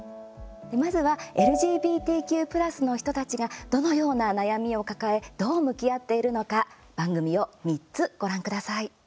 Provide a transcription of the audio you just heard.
まずは、ＬＧＢＴＱ＋の人たちがどのような悩みを抱えどう向き合っているのか番組を３つご覧ください。